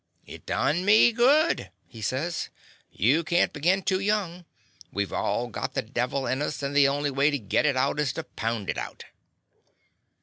"It done me good," he says. "You can't begin too young. We 've all got the devil in us, and the only way to git it out is to pound it out."